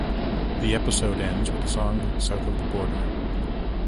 The episode ends with the song "South of the Border".